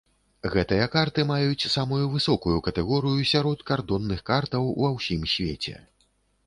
Гэтыя карты маюць самую высокую катэгорыю сярод кардонных картаў ва ўсім свеце.